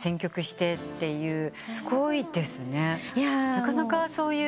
なかなかそういう。